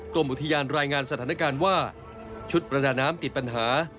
กรมอุทยานรายงานสถานการณ์ว่าชุดประดาน้ำติดปัญหา